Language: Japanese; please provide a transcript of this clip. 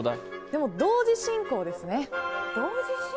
でも、同時進行ですね。